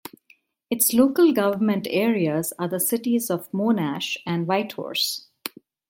Its local government areas are the Cities of Monash and Whitehorse.